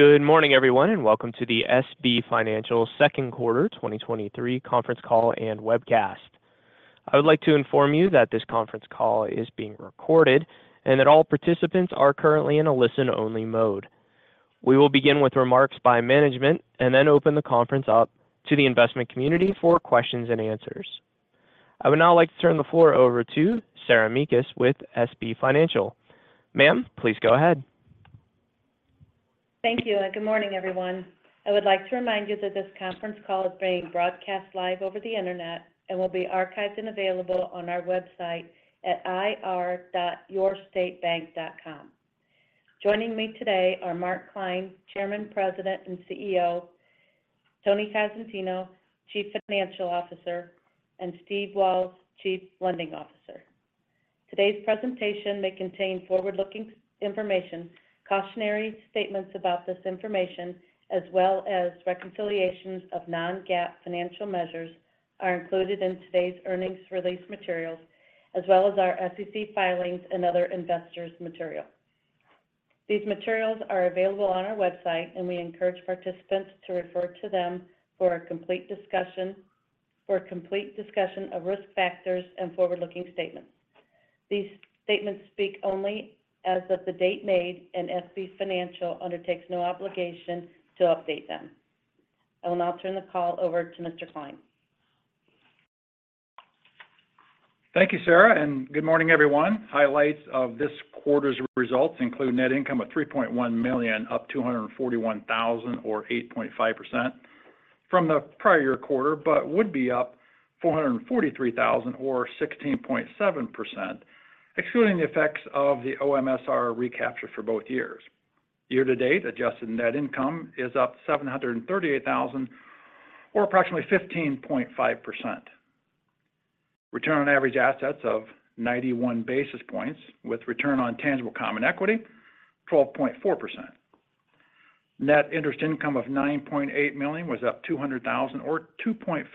Good morning, everyone, and welcome to the SB Financial Second Quarter 2023 Conference Call and webcast. I would like to inform you that this conference call is being recorded and that all participants are currently in a listen-only mode. We will begin with remarks by management and then open the conference up to the investment community for questions and answers. I would now like to turn the floor over to Sarah Mekus with SB Financial. Ma'am, please go ahead. Thank you, good morning, everyone. I would like to remind you that this conference call is being broadcast live over the Internet and will be archived and available on our website at ir.yourstatebank.com. Joining me today are Mark Klein, Chairman, President, and CEO, Tony Cosentino, Chief Financial Officer, and Steve Walz, Chief Lending Officer. Today's presentation may contain forward-looking information. Cautionary statements about this information, as well as reconciliations of non-GAAP financial measures, are included in today's earnings release materials, as well as our SEC filings and other investors material. These materials are available on our website, we encourage participants to refer to them for a complete discussion of risk factors and forward-looking statements. These statements speak only as of the date made, SB Financial undertakes no obligation to update them. I will now turn the call over to Mr. Klein. Thank you, Sarah. Good morning, everyone. Highlights of this quarter's results include net income of $3.1 million, up $241,000 or 8.5% from the prior year quarter. Would be up $443,000 or 16.7%, excluding the effects of the OMSR recapture for both years. Year to date, adjusted net income is up $738,000 or approximately 15.5%. Return on average assets of 91 basis points, with return on tangible common equity, 12.4%. Net interest income of $9.8 million was up $200,000 or 2.5%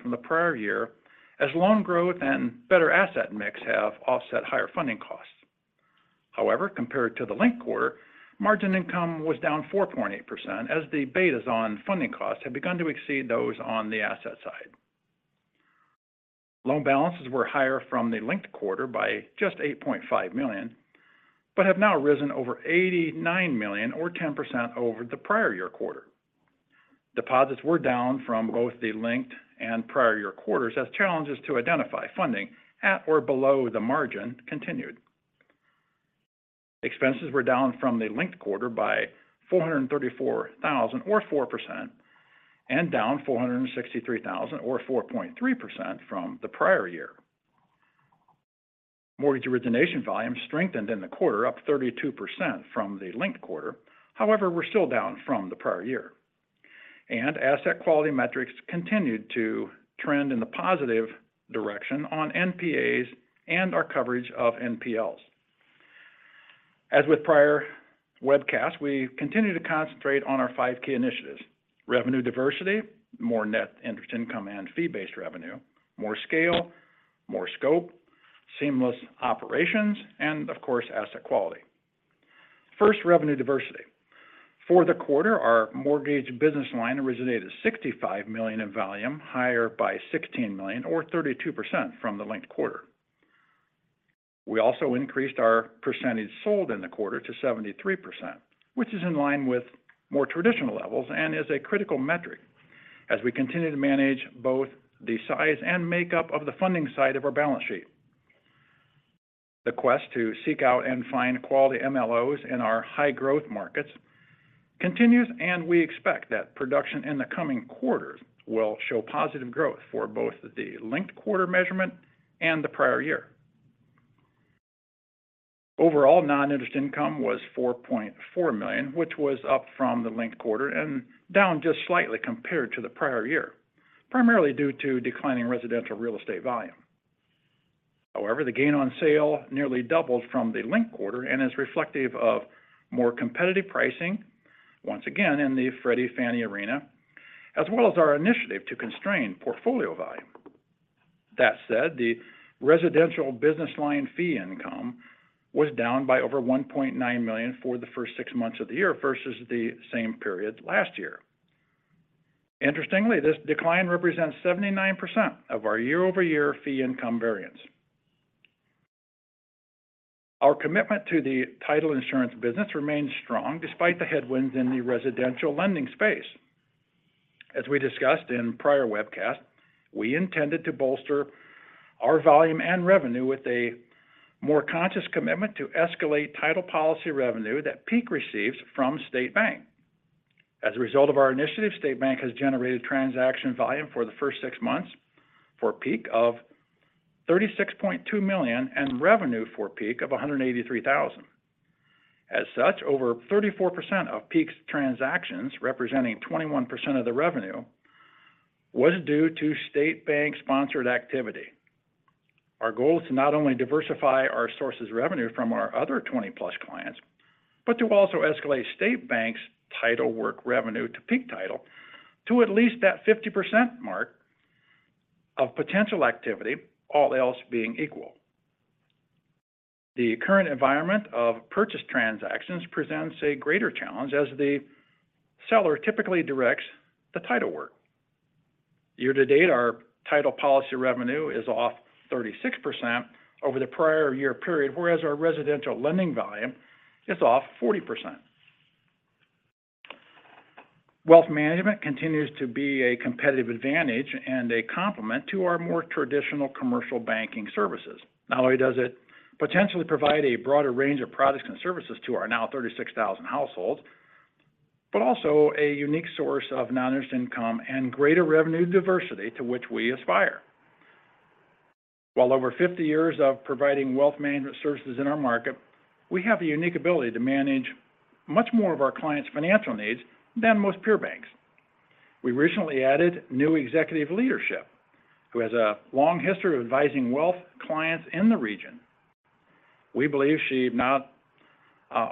from the prior year, as loan growth and better asset mix have offset higher funding costs. However, compared to the linked quarter, margin income was down 4.8%, as the betas on funding costs have begun to exceed those on the asset side. Loan balances were higher from the linked quarter by just $8.5 million, but have now risen over $89 million or 10% over the prior year quarter. Deposits were down from both the linked and prior year quarters as challenges to identify funding at or below the margin continued. Expenses were down from the linked quarter by $434,000 or 4%, and down $463,000 or 4.3% from the prior year. Mortgage origination volume strengthened in the quarter, up 32% from the linked quarter. We're still down from the prior year. Asset quality metrics continued to trend in the positive direction on NPAs and our coverage of NPLs. As with prior webcasts, we continue to concentrate on our five key initiatives: revenue diversity, more net interest income and fee-based revenue, more scale, more scope, seamless operations, and of course, asset quality. First, revenue diversity. For the quarter, our mortgage business line originated $65 million in volume, higher by $16 million or 32% from the linked quarter. We also increased our percentage sold in the quarter to 73%, which is in line with more traditional levels and is a critical metric as we continue to manage both the size and makeup of the funding side of our balance sheet. The quest to seek out and find quality MLOs in our high-growth markets continues, and we expect that production in the coming quarters will show positive growth for both the linked quarter measurement and the prior year. Overall, non-interest income was $4.4 million, which was up from the linked quarter and down just slightly compared to the prior year, primarily due to declining residential real estate volume. However, the gain on sale nearly doubled from the linked quarter and is reflective of more competitive pricing, once again in the Freddie/Fannie arena, as well as our initiative to constrain portfolio volume. That said, the residential business line fee income was down by over $1.9 million for the first six months of the year versus the same period last year. Interestingly, this decline represents 79% of our year-over-year fee income variance. Our commitment to the title insurance business remains strong despite the headwinds in the residential lending space. As we discussed in prior webcasts, we intended to bolster our volume and revenue with a more conscious commitment to escalate title policy revenue that Peak receives from State Bank. As a result of our initiative, State Bank has generated transaction volume for the first six months for Peak of $36.2 million and revenue for Peak of $183,000. As such, over 34% of Peak's transactions, representing 21% of the revenue, was due to State Bank sponsored activity. Our goal is to not only diversify our sources of revenue from our other 20-plus clients, but to also escalate State Bank's title work revenue to Peak Title to at least that 50% mark of potential activity, all else being equal. The current environment of purchase transactions presents a greater challenge as the seller typically directs the title work. Year to date, our title policy revenue is off 36% over the prior year period, whereas our residential lending volume is off 40%. Wealth management continues to be a competitive advantage and a complement to our more traditional commercial banking services. Not only does it potentially provide a broader range of products and services to our now 36,000 households, but also a unique source of non-interest income and greater revenue diversity to which we aspire. While over 50 years of providing wealth management services in our market, we have a unique ability to manage much more of our clients' financial needs than most peer banks. We recently added new executive leadership, who has a long history of advising wealth clients in the region. We believe she not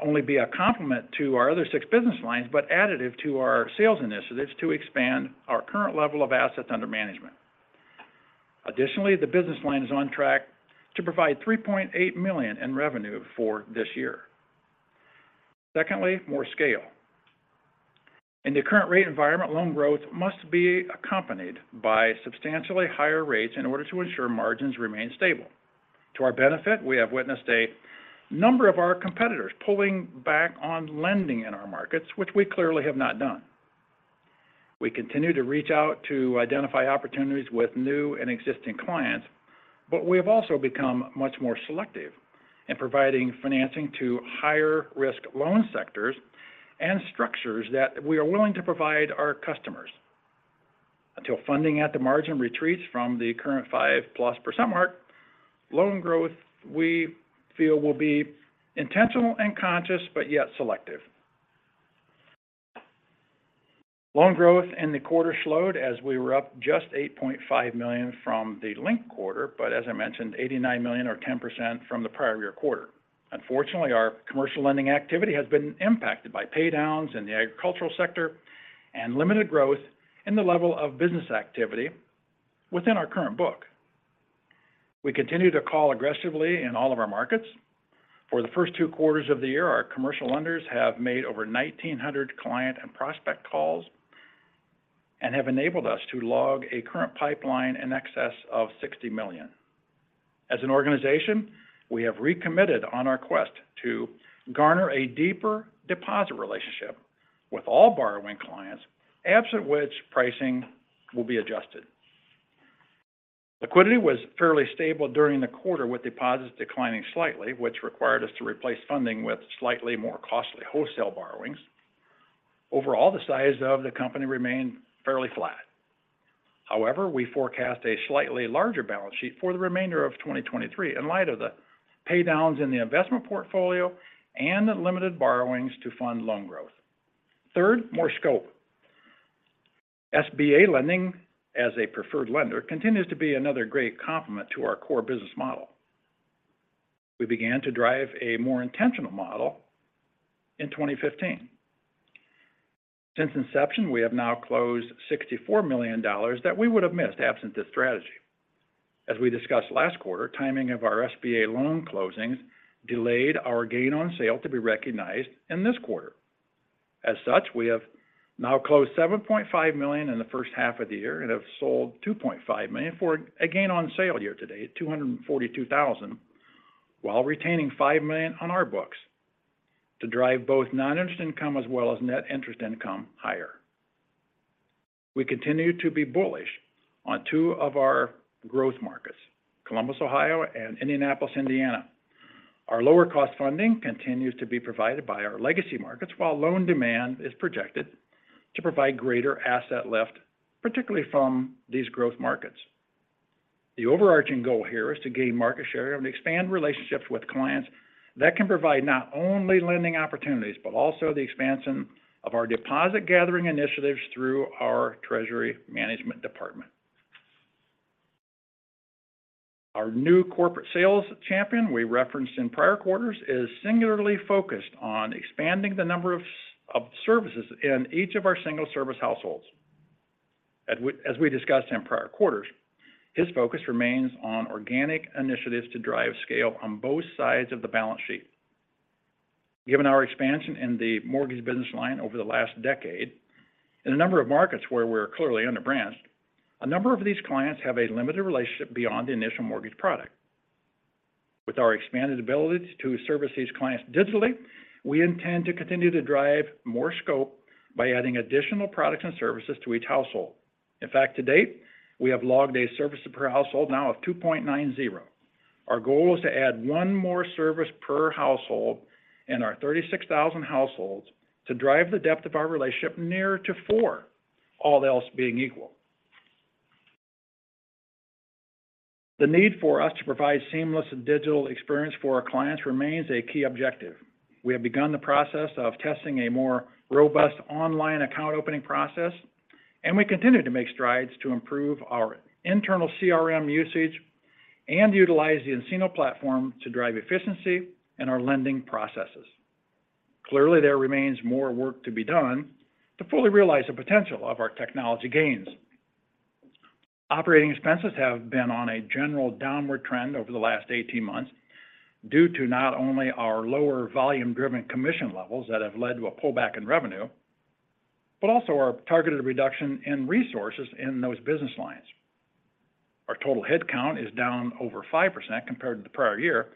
only be a complement to our other six business lines, but additive to our sales initiatives to expand our current level of assets under management. Additionally, the business line is on track to provide $3.8 million in revenue for this year. Secondly, more scale. In the current rate environment, loan growth must be accompanied by substantially higher rates in order to ensure margins remain stable. To our benefit, we have witnessed a number of our competitors pulling back on lending in our markets, which we clearly have not done. We continue to reach out to identify opportunities with new and existing clients, but we have also become much more selective in providing financing to higher-risk loan sectors and structures that we are willing to provide our customers. Until funding at the margin retreats from the current 5%+ mark, loan growth, we feel, will be intentional and conscious, but yet selective. Loan growth in the quarter slowed as we were up just $8.5 million from the linked quarter, but as I mentioned, $89 million or 10% from the prior year quarter. Unfortunately, our commercial lending activity has been impacted by paydowns in the agricultural sector and limited growth in the level of business activity within our current book. We continue to call aggressively in all of our markets. For the first two quarters of the year, our commercial lenders have made over 1,900 client and prospect calls and have enabled us to log a current pipeline in excess of $60 million. As an organization, we have recommitted on our quest to garner a deeper deposit relationship with all borrowing clients, absent which pricing will be adjusted. Liquidity was fairly stable during the quarter, with deposits declining slightly, which required us to replace funding with slightly more costly wholesale borrowings. Overall, the size of the company remained fairly flat. However, we forecast a slightly larger balance sheet for the remainder of 2023, in light of the paydowns in the investment portfolio and the limited borrowings to fund loan growth. Third, more scope. SBA lending as a preferred lender continues to be another great complement to our core business model. We began to drive a more intentional model in 2015. Since inception, we have now closed $64 million that we would have missed absent this strategy. As we discussed last quarter, timing of our SBA loan closings delayed our gain on sale to be recognized in this quarter. As such, we have now closed $7.5 million in the first half of the year and have sold $2.5 million for a gain on sale year to date, $242,000, while retaining $5 million on our books to drive both non-interest income as well as net interest income higher. We continue to be bullish on two of our growth markets, Columbus, Ohio and Indianapolis, Indiana. Our lower cost funding continues to be provided by our legacy markets, while loan demand is projected to provide greater asset lift, particularly from these growth markets. The overarching goal here is to gain market share and expand relationships with clients that can provide not only lending opportunities, but also the expansion of our deposit gathering initiatives through our treasury management department. Our new corporate sales champion we referenced in prior quarters, is singularly focused on expanding the number of services in each of our single service households. As we discussed in prior quarters, his focus remains on organic initiatives to drive scale on both sides of the balance sheet. Given our expansion in the mortgage business line over the last decade, in a number of markets where we're clearly under-branched, a number of these clients have a limited relationship beyond the initial mortgage product. With our expanded ability to service these clients digitally, we intend to continue to drive more scope by adding additional products and services to each household. In fact, to date, we have logged a service per household now of 2.90. Our goal is to add one more service per household in our 36,000 households to drive the depth of our relationship nearer to four, all else being equal. The need for us to provide seamless and digital experience for our clients remains a key objective. We have begun the process of testing a more robust online account opening process, and we continue to make strides to improve our internal CRM usage and utilize the nCino platform to drive efficiency in our lending processes. Clearly, there remains more work to be done to fully realize the potential of our technology gains. Operating expenses have been on a general downward trend over the last 18 months due to not only our lower volume-driven commission levels that have led to a pullback in revenue, but also our targeted reduction in resources in those business lines. Our total headcount is down over 5% compared to the prior year,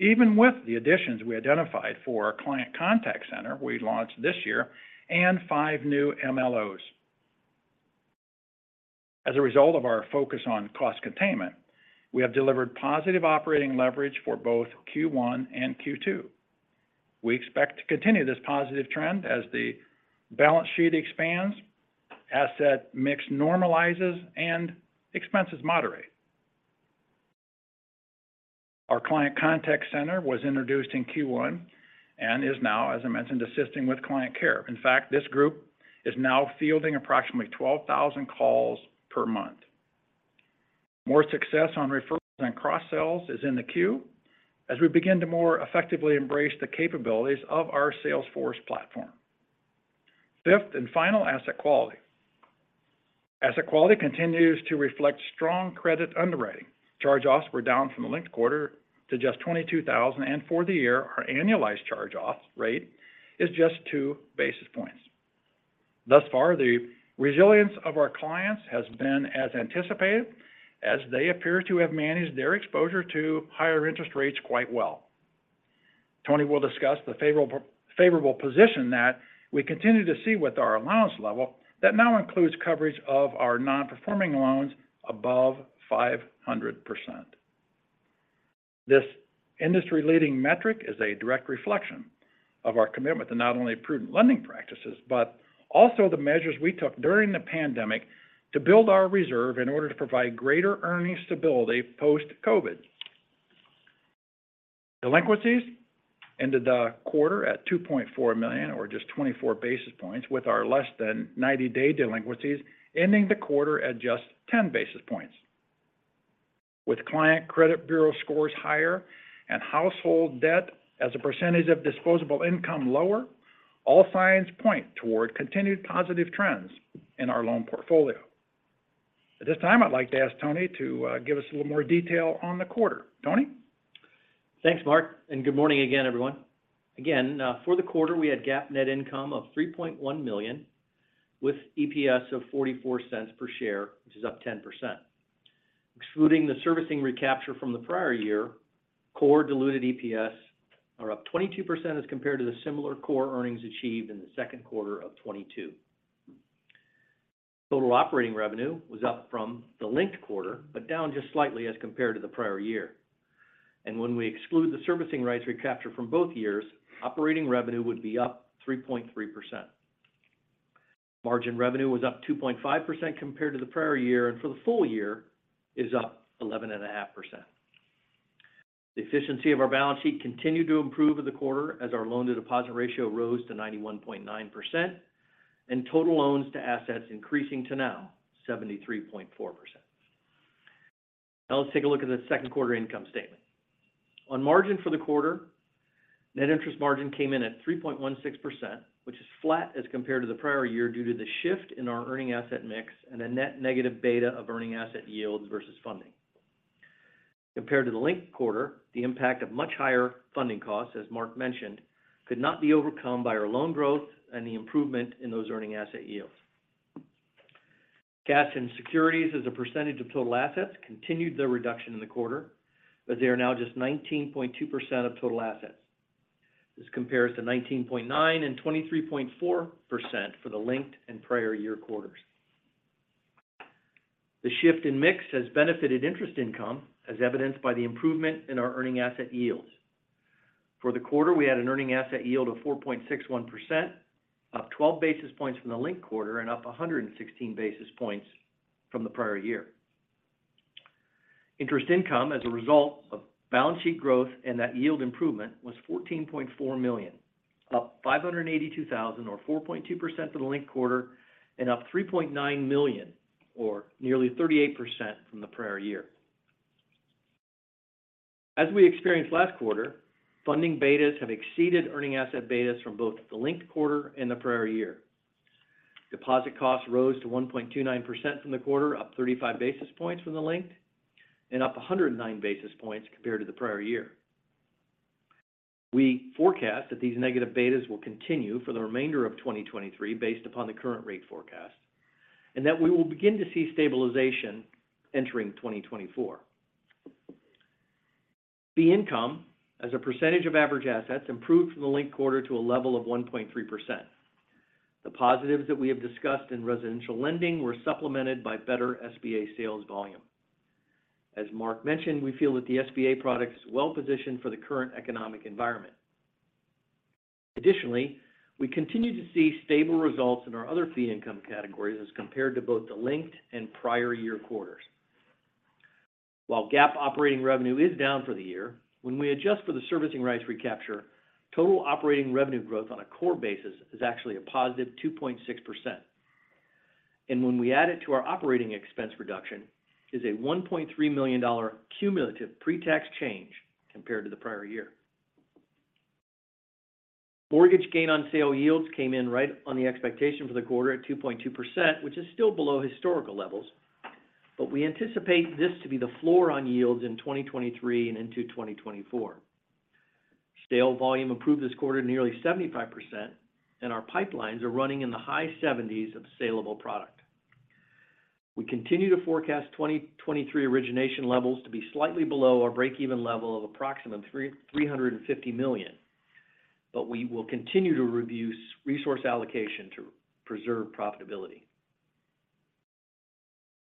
even with the additions we identified for our client contact center we launched this year and five new MLOs. As a result of our focus on cost containment, we have delivered positive operating leverage for both Q1 and Q2. We expect to continue this positive trend as the balance sheet expands, asset mix normalizes, and expenses moderate. Our client contact center was introduced in Q1 and is now, as I mentioned, assisting with client care. In fact, this group is now fielding approximately 12,000 calls per month. More success on referrals and cross-sells is in the queue as we begin to more effectively embrace the capabilities of our Salesforce platform. Fifth and final, asset quality. Asset quality continues to reflect strong credit underwriting. Charge-offs were down from the linked quarter to just $22,000, and for the year, our annualized charge-offs rate is just two basis points. Thus far, the resilience of our clients has been as anticipated as they appear to have managed their exposure to higher interest rates quite well. Tony will discuss the favorable, favorable position that we continue to see with our allowance level that now includes coverage of our Non-Performing Loans above 500%. This industry-leading metric is a direct reflection of our commitment to not only prudent lending practices, but also the measures we took during the pandemic to build our reserve in order to provide greater earning stability post-COVID. Delinquencies ended the quarter at $2.4 million, or just 24 basis points, with our less than 90-day delinquencies ending the quarter at just 10 basis points. With client credit bureau scores higher and household debt as a percentage of disposable income lower, all signs point toward continued positive trends in our loan portfolio. At this time, I'd like to ask Tony to give us a little more detail on the quarter. Tony? Thanks, Mark, and good morning again, everyone. Again, for the quarter, we had GAAP net income of $3.1 million, with EPS of $0.44 per share, which is up 10%. Excluding the servicing recapture from the prior year, core diluted EPS are up 22% as compared to the similar core earnings achieved in the second quarter of 2022. Total operating revenue was up from the linked quarter, but down just slightly as compared to the prior year. When we exclude the servicing rights recapture from both years, operating revenue would be up 3.3%. Margin revenue was up 2.5% compared to the prior year, and for the full year is up 11.5%. The efficiency of our balance sheet continued to improve in the quarter as our loan-to-deposit ratio rose to 91.9%, and total loans to assets increasing to now 73.4%. Let's take a look at the second quarter income statement. On margin for the quarter, net interest margin came in at 3.16%, which is flat as compared to the prior year due to the shift in our earning asset mix and a net negative beta of earning asset yields versus funding. Compared to the linked quarter, the impact of much higher funding costs, as Mark mentioned, could not be overcome by our loan growth and the improvement in those earning asset yields. Cash and securities as a percentage of total assets continued their reduction in the quarter, but they are now just 19.2% of total assets. This compares to 19.9 and 23.4% for the linked and prior year quarters. The shift in mix has benefited interest income, as evidenced by the improvement in our earning asset yields. For the quarter, we had an earning asset yield of 4.61%, up 12 basis points from the linked quarter and up 116 basis points from the prior year. Interest income, as a result of balance sheet growth and that yield improvement, was $14.4 million, up $582,000 or 4.2% to the linked quarter and up $3.9 million or nearly 38% from the prior year. As we experienced last quarter, funding betas have exceeded earning asset betas from both the linked quarter and the prior year. Deposit costs rose to 1.29% from the quarter, up 35 basis points from the linked and up 109 basis points compared to the prior year. We forecast that these negative betas will continue for the remainder of 2023 based upon the current rate forecast, and that we will begin to see stabilization entering 2024. The income as a percentage of average assets improved from the linked quarter to a level of 1.3%. The positives that we have discussed in residential lending were supplemented by better SBA sales volume. As Mark Klein mentioned, we feel that the SBA product is well positioned for the current economic environment. Additionally, we continue to see stable results in our other fee income categories as compared to both the linked and prior year quarters. While GAAP operating revenue is down for the year, when we adjust for the servicing rights recapture, total operating revenue growth on a core basis is actually a positive 2.6%. When we add it to our operating expense reduction, is a $1.3 million cumulative pre-tax change compared to the prior year. Mortgage gain on sale yields came in right on the expectation for the quarter at 2.2%, which is still below historical levels. We anticipate this to be the floor on yields in 2023 and into 2024. Sale volume improved this quarter to nearly 75%, and our pipelines are running in the high 70s of saleable product. We continue to forecast 2023 origination levels to be slightly below our break-even level of approximately $350 million. We will continue to review resource allocation to preserve profitability.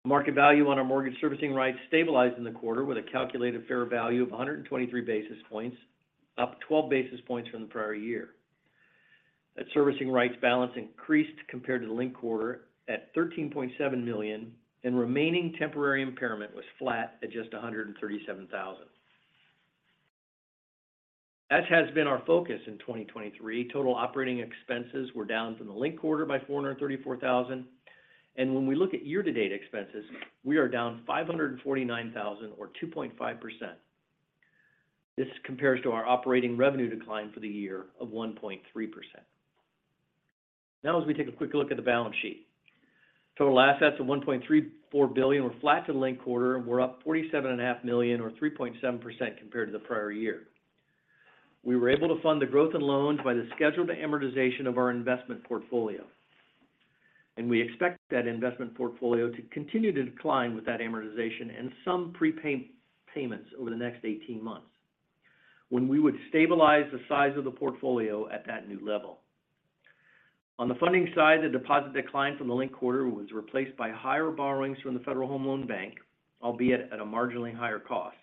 Market value on our mortgage servicing rights stabilized in the quarter with a calculated fair value of 123 basis points, up 12 basis points from the prior year. That servicing rights balance increased compared to the linked quarter at $13.7 million. Remaining temporary impairment was flat at just $137,000. As has been our focus in 2023, total operating expenses were down from the linked quarter by $434,000. When we look at year-to-date expenses, we are down $549,000 or 2.5%. This compares to our operating revenue decline for the year of 1.3%. As we take a quick look at the balance sheet. Total assets of $1.34 billion were flat to the linked quarter and were up $47.5 million or 3.7% compared to the prior year. We were able to fund the growth in loans by the scheduled amortization of our investment portfolio. We expect that investment portfolio to continue to decline with that amortization and some prepayments over the next 18 months, when we would stabilize the size of the portfolio at that new level. On the funding side, the deposit decline from the linked quarter was replaced by higher borrowings from the Federal Home Loan Bank, albeit at a marginally higher cost.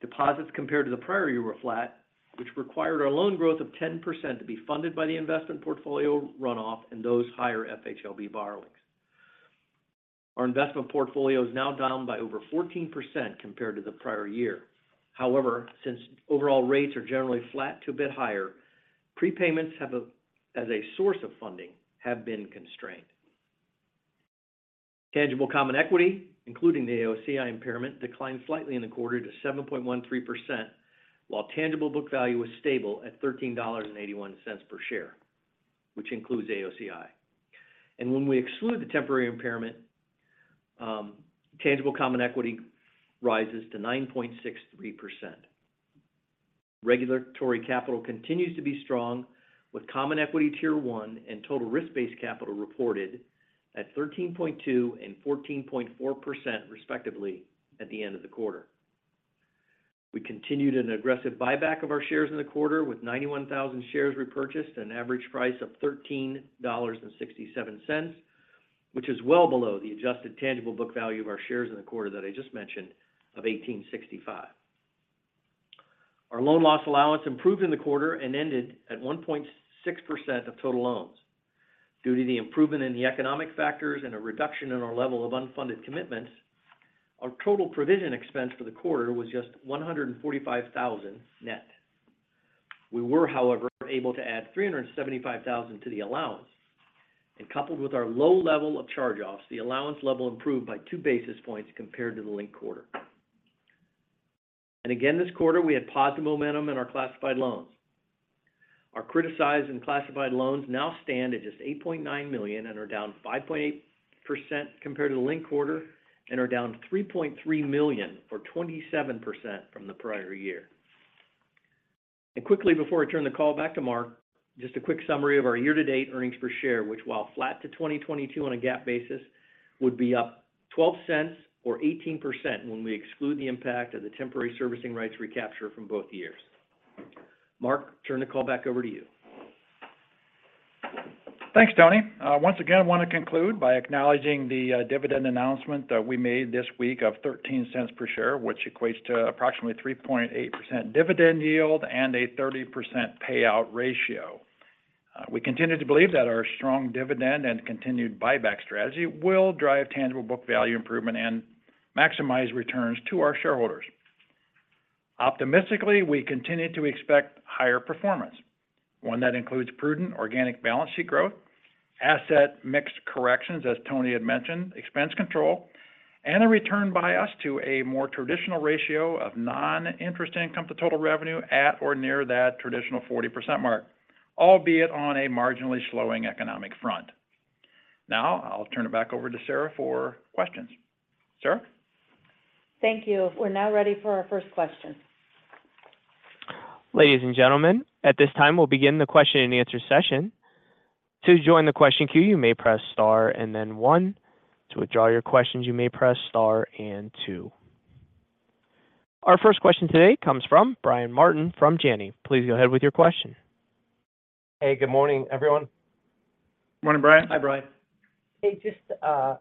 Deposits compared to the prior year were flat, which required our loan growth of 10% to be funded by the investment portfolio runoff and those higher FHLB borrowings. Our investment portfolio is now down by over 14% compared to the prior year. However, since overall rates are generally flat to a bit higher, prepayments as a source of funding, have been constrained. Tangible common equity, including the AOCI impairment, declined slightly in the quarter to 7.13%, while tangible book value was stable at $13.81 per share, which includes AOCI. When we exclude the temporary impairment, tangible common equity rises to 9.63%. Regulatory capital continues to be strong, with common equity Tier 1 and total risk-based capital reported at 13.2% and 14.4% respectively at the end of the quarter. We continued an aggressive buyback of our shares in the quarter, with 91,000 shares repurchased at an average price of $13.67, which is well below the adjusted tangible book value of our shares in the quarter that I just mentioned of $18.65. Our loan loss allowance improved in the quarter and ended at 1.6% of total loans. Due to the improvement in the economic factors and a reduction in our level of unfunded commitments, our total provision expense for the quarter was just $145,000 net. We were, however, able to add $375,000 to the allowance, coupled with our low level of charge-offs, the allowance level improved by 2 basis points compared to the linked quarter. Again, this quarter, we had positive momentum in our classified loans. Our criticized and classified loans now stand at just $8.9 million and are down 5.8% compared to the linked quarter and are down $3.3 million or 27% from the prior year. Quickly, before I turn the call back to Mark, just a quick summary of our year-to-date earnings per share, which, while flat to 2022 on a GAAP basis, would be up $0.12 or 18% when we exclude the impact of the temporary servicing rights recapture from both years. Mark, turn the call back over to you. Thanks, Tony. Once again, I want to conclude by acknowledging the dividend announcement that we made this week of $0.13 per share, which equates to approximately 3.8% dividend yield and a 30% payout ratio. We continue to believe that our strong dividend and continued buyback strategy will drive tangible book value improvement and maximize returns to our shareholders. Optimistically, we continue to expect higher performance, one that includes prudent organic balance sheet growth, asset mix corrections, as Tony had mentioned, expense control, and a return by us to a more traditional ratio of non-interest income to total revenue at or near that traditional 40% mark, albeit on a marginally slowing economic front. I'll turn it back over to Sarah for questions. Sarah? Thank you. We're now ready for our first question. Ladies and gentlemen, at this time, we'll begin the question and answer session. To join the question queue, you may press star and then one. To withdraw your questions, you may press star and two. Our first question today comes from Brian Martin from Janney. Please go ahead with your question. Hey, good morning, everyone. Morning, Brian. Hi, Brian. Hey, just,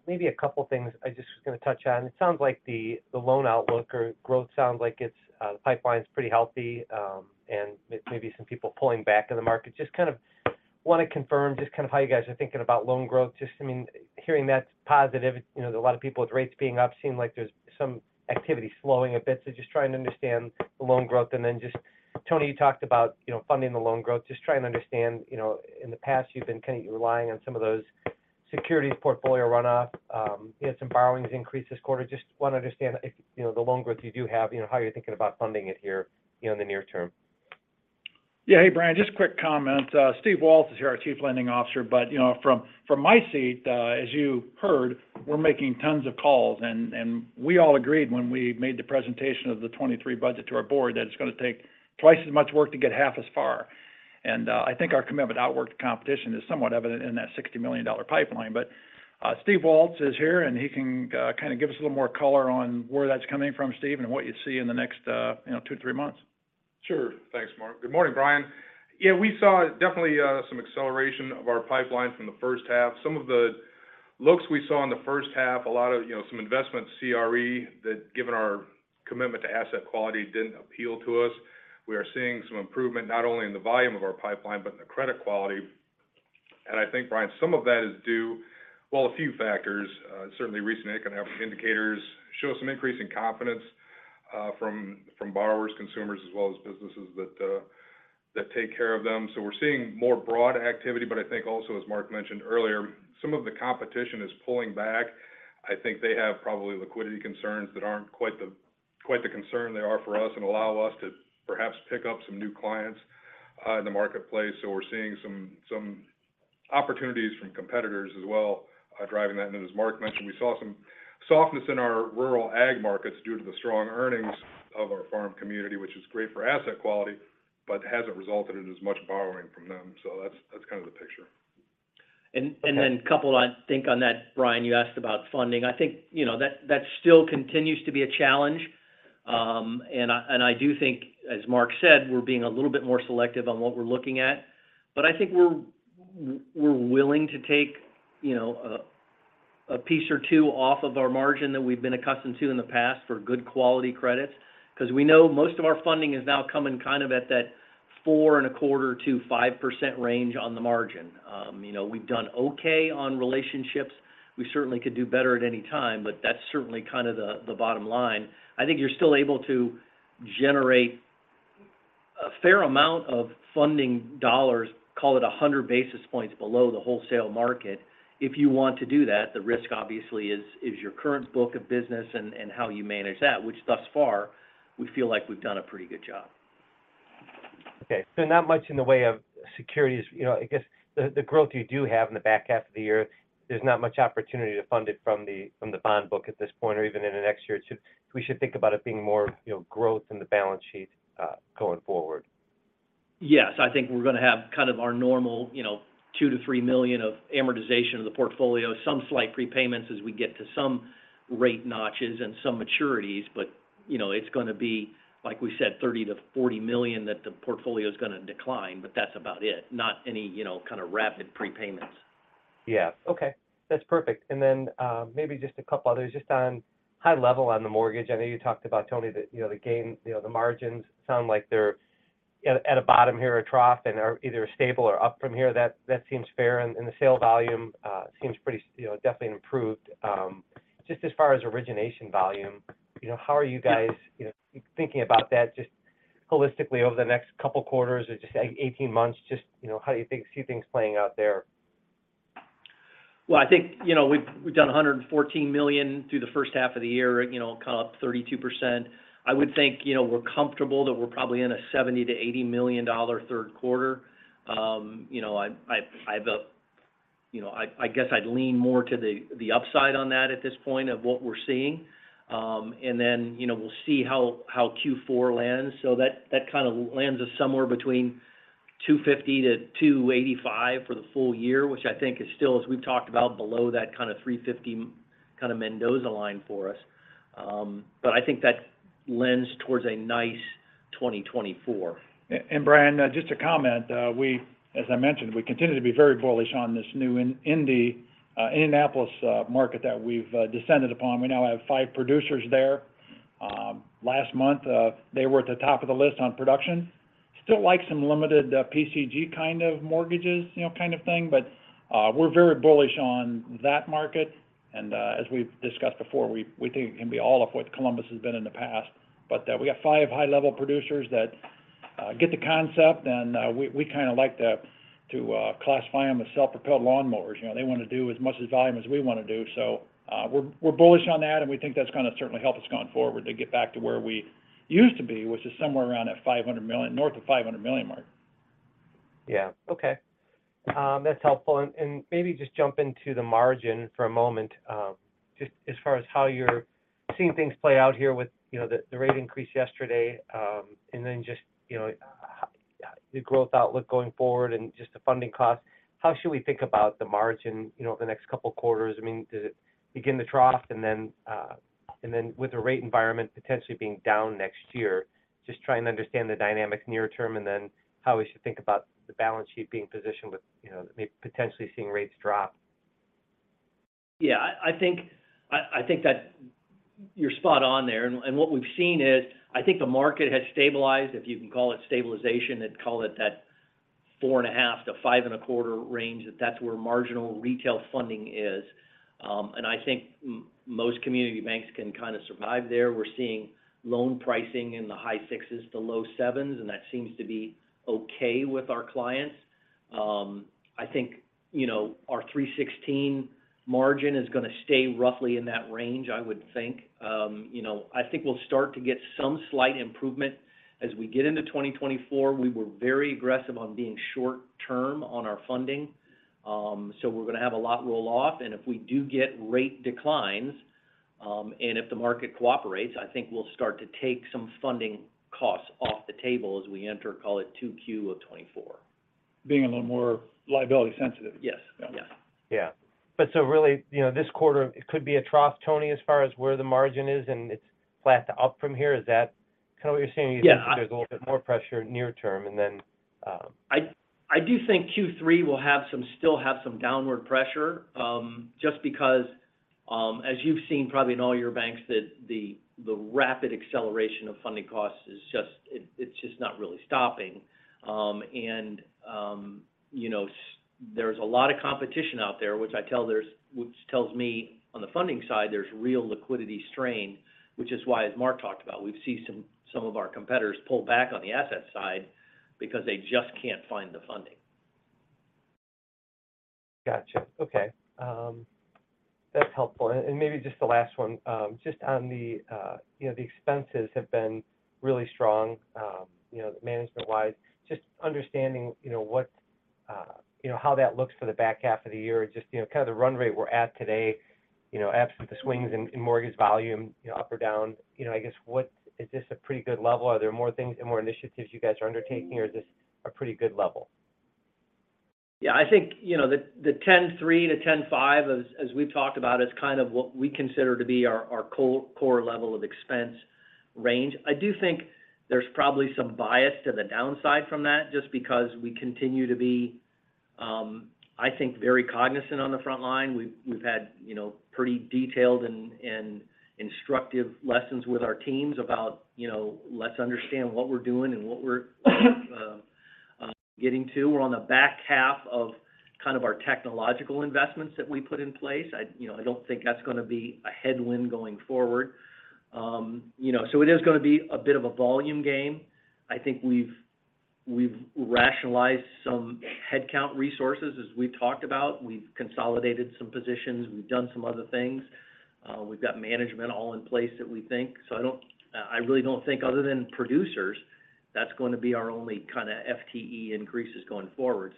maybe a couple of things I just was going to touch on. It sounds like the, the loan outlook or growth sounds like it's, the pipeline's pretty healthy, and maybe some people pulling back in the market. Just kind of want to confirm just kind of how you guys are thinking about loan growth. Just, I mean, hearing that's positive, you know, a lot of people with rates being up seem like there's some activity slowing a bit. Just trying to understand the loan growth. Then just, Tony, you talked about, you know, funding the loan growth. Just trying to understand, you know, in the past, you've been kind of relying on some of those... securities portfolio runoff, you had some borrowings increase this quarter. Just want to understand if, you know, the loan growth you do have, you know, how you're thinking about funding it here, you know, in the near term? Yeah. Hey, Brian, just a quick comment. Steve Walz is here, our Chief Lending Officer. You know, from, from my seat, as you heard, we're making tons of calls, and, and we all agreed when we made the presentation of the 2023 budget to our board, that it's going to take twice as much work to get half as far. I think our commitment to outwork the competition is somewhat evident in that $60 million pipeline. Steve Walz is here, and he can kind of give us a little more color on where that's coming from, Steve, and what you see in the next, you know, two to three months. Sure. Thanks, Mark. Good morning, Brian. Yeah, we saw definitely, some acceleration of our pipeline from the first half. Some of the looks we saw in the first half, a lot of, you know, some investment CRE, that given our commitment to asset quality, didn't appeal to us. We are seeing some improvement, not only in the volume of our pipeline, but in the credit quality. I think, Brian, some of that is due, well, a few factors. Certainly recent economic indicators show some increasing confidence, from, from borrowers, consumers, as well as businesses that, that take care of them. We're seeing more broad activity, but I think also, as Mark mentioned earlier, some of the competition is pulling back. I think they have probably liquidity concerns that aren't quite the, quite the concern they are for us and allow us to perhaps pick up some new clients in the marketplace. We're seeing some, some opportunities from competitors as well, driving that. As Mark mentioned, we saw some softness in our rural ag markets due to the strong earnings of our farm community, which is great for asset quality, but hasn't resulted in as much borrowing from them. That's, that's kind of the picture. Then a couple, I think on that, Brian, you asked about funding. I think, you know, that, that still continues to be a challenge. And I do think, as Mark said, we're being a little bit more selective on what we're looking at. I think we're willing to take, you know, a, a piece or two off of our margin that we've been accustomed to in the past for good quality credits. Because we know most of our funding is now coming kind of at that 4.25%-5% range on the margin. You know, we've done okay on relationships. We certainly could do better at any time, but that's certainly kind of the, the bottom line. I think you're still able to generate a fair amount of funding dollars, call it 100 basis points below the wholesale market. If you want to do that, the risk obviously is, is your current book of business and, and how you manage that, which thus far, we feel like we've done a pretty good job. Okay. Not much in the way of securities. You know, I guess the, the growth you do have in the back half of the year, there's not much opportunity to fund it from the, from the bond book at this point or even in the next year or two. We should think about it being more, you know, growth in the balance sheet going forward. Yes. I think we're going to have kind of our normal, you know, $2 million-$3 million of amortization of the portfolio, some slight prepayments as we get to some rate notches and some maturities, but, you know, it's going to be, like we said, $30 million-$40 million that the portfolio is going to decline, but that's about it. Not any, you know, kind of rapid prepayments. Yeah. Okay. That's perfect. Then, maybe just a couple others, just on high level on the mortgage. I know you talked about, Tony, the, you know, the gain, you know, the margins sound like they're at, at a bottom here, a trough, and are either stable or up from here. That, that seems fair, and the sale volume seems pretty, you know, definitely improved. Just as far as origination volume, you know, how are you guys, you know, thinking about that just holistically over the next couple quarters or just 18 months? Just, you know, how do you see things playing out there? Well, I think, you know, we've, we've done $114 million through the first half of the year, you know, kind of up 32%. I would think, you know, we're comfortable that we're probably in a $70 million-$80 million third quarter. You know, I, I guess I'd lean more to the, the upside on that at this point of what we're seeing. You know, we'll see how, how Q4 lands. That, that kind of lands us somewhere between $250 million-$285 million for the full year, which I think is still, as we've talked about, below that kind of $350 million kind of Mendoza line for us. I think that lends towards a nice 2024. Brian, just to comment, we, as I mentioned, we continue to be very bullish on this new Indy, Indianapolis market that we've descended upon. We now have five producers there. Last month, they were at the top of the list on production. Still like some limited PCG kind of mortgages, you know, kind of thing, but we're very bullish on that market. As we've discussed before, we, we think it can be all of what Columbus has been in the past. We got 5 high-level producers that get the concept, and we, we kind of like to, to classify them as self-propelled lawnmowers. You know, they want to do as much as volume as we want to do. We're, we're bullish on that, and we think that's going to certainly help us going forward to get back to where we used to be, which is somewhere around that $500 million, north of $500 million mark. Yeah. Okay. That's helpful. Maybe just jump into the margin for a moment, just as far as how you're seeing things play out here with, you know, the, the rate increase yesterday, and then just, you know, how the growth outlook going forward and just the funding cost. How should we think about the margin, you know, over the next couple of quarters? I mean, does it begin to trough, and then, and then with the rate environment potentially being down next year, just trying to understand the dynamics near term, and then how we should think about the balance sheet being positioned with, you know, maybe potentially seeing rates drop? Yeah, I, I think, I, I think that you're spot on there. What we've seen is, I think the market has stabilized, if you can call it stabilization, I'd call it that 4.5%-5.25% range, that that's where marginal retail funding is. I think most community banks can kind of survive there. We're seeing loan pricing in the high 6s to low 7s, that seems to be okay with our clients. I think, you know, our 3.16% margin is gonna stay roughly in that range, I would think. You know, I think we'll start to get some slight improvement as we get into 2024. We were very aggressive on being short term on our funding, we're gonna have a lot roll off. If we do get rate declines, and if the market cooperates, I think we'll start to take some funding costs off the table as we enter, call it 2Q of 2024. Being a little more liability sensitive? Yes. Yes. Yeah. Really, you know, this quarter, it could be a trough, Tony, as far as where the margin is, and it's flat to up from here. Is that kind of what you're saying? Yeah. There's a little bit more pressure near term, and then. I, I do think Q3 will have some-- still have some downward pressure, just because as you've seen probably in all your banks, that the, the rapid acceleration of funding costs is just, it, it's just not really stopping. You know, s- there's a lot of competition out there, which I tell there's-- which tells me, on the funding side, there's real liquidity strain, which is why, as Mark talked about, we've seen some, some of our competitors pull back on the asset side because they just can't find the funding. Gotcha. Okay, that's helpful. Maybe just the last one, just on the, you know, the expenses have been really strong, you know, management-wise. Just understanding, you know, what, you know, how that looks for the back half of the year and just, you know, kind of the run rate we're at today, you know, absent the swings in, in mortgage volume, you know, up or down. You know, I guess, is this a pretty good level? Are there more things and more initiatives you guys are undertaking, or is this a pretty good level? I think, you know, the, the 10.3-10.5, as, as we've talked about, is kind of what we consider to be our, our core level of expense range. I do think there's probably some bias to the downside from that, just because we continue to be, I think, very cognizant on the front line. We've, we've had, you know, pretty detailed and, and instructive lessons with our teams about, you know, let's understand what we're doing and what we're getting to. We're on the back half of kind of our technological investments that we put in place. I, you know, I don't think that's gonna be a headwind going forward. You know, it is gonna be a bit of a volume game. I think we've, we've rationalized some headcount resources, as we've talked about. We've consolidated some positions. We've done some other things. We've got management all in place that we think. I don't, I really don't think other than producers, that's gonna be our only kind of FTE increases going forward.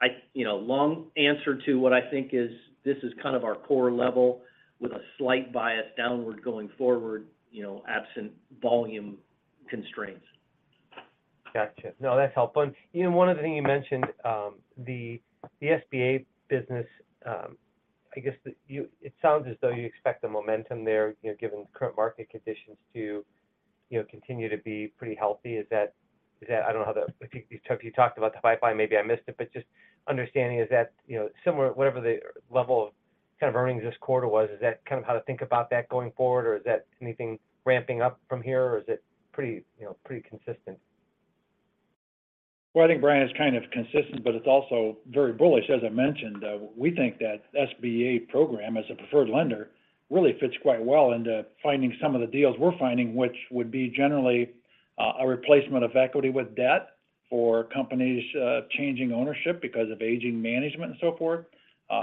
I you know, long answer to what I think is this is kind of our core level with a slight bias downward going forward, you know, absent volume constraints. Gotcha. No, that's helpful. One other thing you mentioned, the SBA business, I guess it sounds as though you expect the momentum there, you know, given the current market conditions, to, you know, continue to be pretty healthy. Is that, is that... I don't know how if you, you talked about the pipeline, maybe I missed it, but just understanding, is that, you know, similar, whatever the level of kind of earnings this quarter was, is that kind of how to think about that going forward, or is that anything ramping up from here, or is it pretty, you know, pretty consistent? Well, I think, Brian, it's kind of consistent, but it's also very bullish. As I mentioned, we think that SBA program, as a preferred lender, really fits quite well into finding some of the deals we're finding, which would be generally a replacement of equity with debt for companies changing ownership because of aging management and so forth.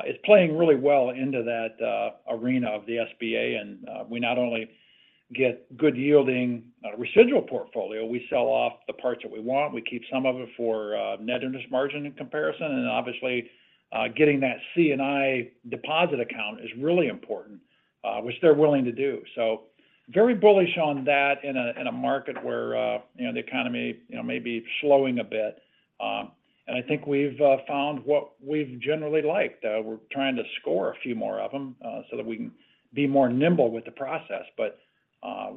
It's playing really well into that arena of the SBA, and we not only get good yielding on a residual portfolio, we sell off the parts that we want. We keep some of it for net interest margin in comparison, and obviously, getting that C&I deposit account is really important, which they're willing to do. Very bullish on that in a market where, you know, the economy, you know, may be slowing a bit. I think we've found what we've generally liked. We're trying to score a few more of them so that we can be more nimble with the process.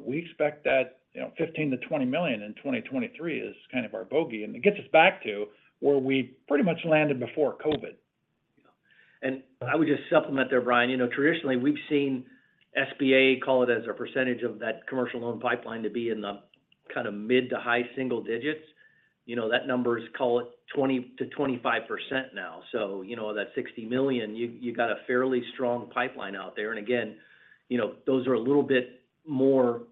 We expect that $15 million-$20 million in 2023 is kind of our bogey, and it gets us back to where we pretty much landed before COVID. I would just supplement there, Brian, you know, traditionally, we've seen SBA call it as a percentage of that commercial loan pipeline to be in the kind of mid to high single digits. You know, that number is, call it 20%-25% now. You know, that $60 million, you, you got a fairly strong pipeline out there. Again, you know, those are a little bit more,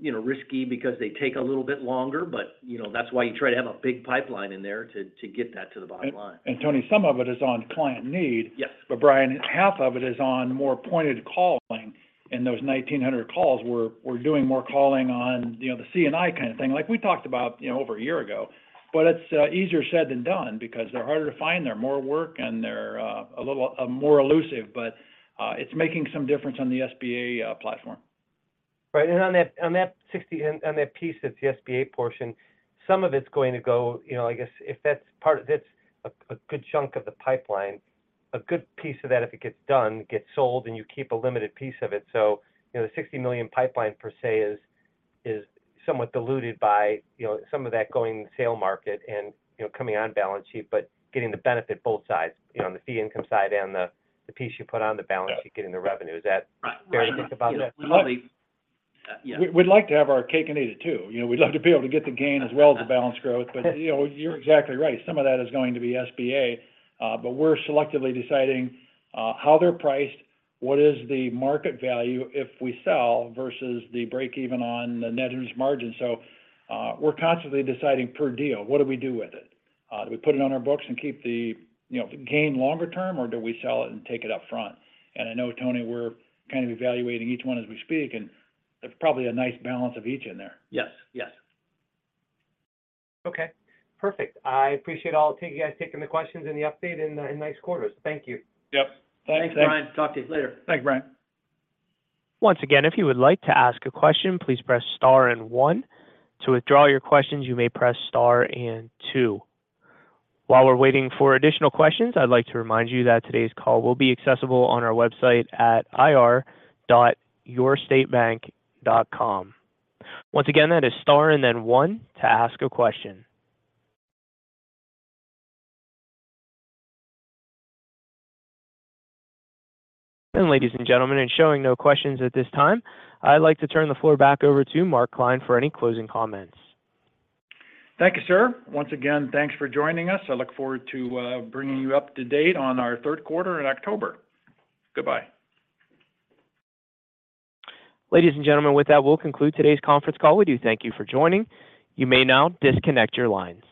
you know, risky because they take a little bit longer, but, you know, that's why you try to have a big pipeline in there to, to get that to the bottom line. Tony, some of it is on client need. Yes. Brian, half of it is on more pointed calling. In those 1,900 calls, we're doing more calling on, you know, the C&I kind of thing, like we talked about, you know, over a year ago. It's easier said than done because they're harder to find, they're more work, and they're a little more elusive, but it's making some difference on the SBA platform. Right. On that, on that 60, on that piece, that's the SBA portion, some of it's going to go, you know, I guess if that's part of that's a good chunk of the pipeline, a good piece of that, if it gets done, gets sold, and you keep a limited piece of it. You know, the $60 million pipeline per se, is somewhat diluted by, you know, some of that going sale market and, you know, coming on balance sheet, but getting the benefit of both sides, you know, on the fee income side and the piece you put on the balance sheet, getting the revenue. Right. We'd love. Yeah, we'd like to have our cake and eat it too. You know, we'd love to be able to get the gain as well as the balance growth. You know, you're exactly right. Some of that is going to be SBA, but we're selectively deciding, how they're priced, what is the market value if we sell versus the break even on the net interest margin. We're constantly deciding per deal, what do we do with it? Do we put it on our books and keep the, you know, gain longer term, or do we sell it and take it up front? I know, Tony, we're kind of evaluating each one as we speak, and there's probably a nice balance of each in there. Yes, yes. Okay, perfect. I appreciate all of you guys taking the questions and the update in nice quarters. Thank you. Yep. Thanks. Thanks, Brian. Talk to you later. Thanks, Brian. Once again, if you would like to ask a question, please press star and one. To withdraw your questions, you may press star and two. While we're waiting for additional questions, I'd like to remind you that today's call will be accessible on our website at ir.yourstatebank.com. Once again, that is star and then one to ask a question. Ladies and gentlemen, and showing no questions at this time, I'd like to turn the floor back over to Mark Klein for any closing comments. Thank you, sir. Once again, thanks for joining us. I look forward to bringing you up to date on our Q3 in October. Goodbye. Ladies and gentlemen, with that, we'll conclude today's conference call. We do thank you for joining. You may now disconnect your lines.